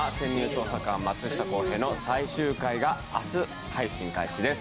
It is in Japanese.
捜査官松下洸平」の最終回が明日、配信開始です。